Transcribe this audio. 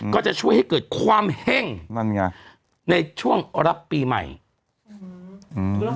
ก็จะช่วยให้เกิดความเฮ่งนั่นไงในช่วงรับปีใหม่อืม